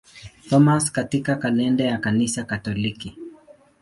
Thomas katika kalenda ya Kanisa Katoliki.